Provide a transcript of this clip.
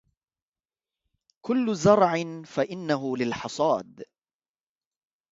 كل زرع فإنه للحصاد